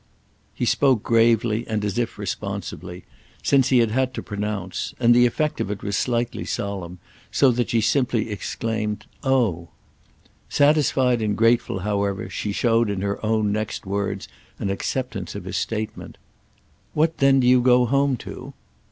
He spoke gravely and as if responsibly—since he had to pronounce; and the effect of it was slightly solemn, so that she simply exclaimed "Oh!" Satisfied and grateful, however, she showed in her own next words an acceptance of his statement. "What then do you go home to?"